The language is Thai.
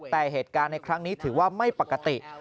แต่เหตุการณ์ในครั้งนี้ถือว่าไม่ปกติ